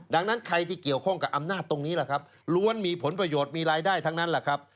ดังนั้นใครที่เกี่ยวข้องกับอำนาจตรงนี้แหละครับล้วนมีผลประโยชน์มีรายได้ทั้งนั้นแหละครับ